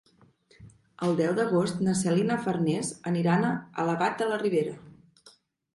El deu d'agost na Cel i na Farners aniran a Albalat de la Ribera.